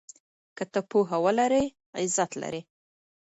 که ته پوهه ولرې عزت لرې.